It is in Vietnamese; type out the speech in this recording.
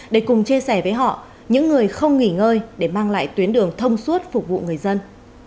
để cùng chia sẻ với họ những người không nghỉ ngơi để mang lại tuyến đường thông suốt phục vụ người dân